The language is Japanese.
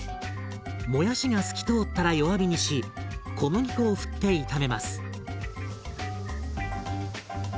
もやしが透き通ったら弱火にし小麦粉をふって炒めます。